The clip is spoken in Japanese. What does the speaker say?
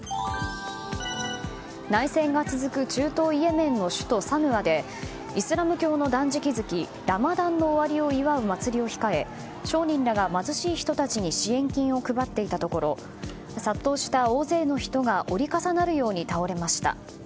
内戦が続く中東イエメンの首都サヌアでイスラム教の断食月ラマダンの終わりを祝う祭りを控え商人らが貧しい人たちに支援金を配っていたところ殺到した大勢の人が折り重なるように倒れました。